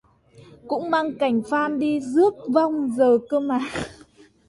cũng mang cành phan đi rước vong giờ cơ mà